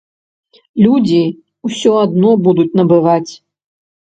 Людзі ўсё адно будуць набываць.